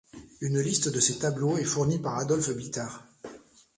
Une liste de ses tableaux est fournie par Adolphe Bitard.